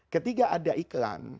ketika ada iklan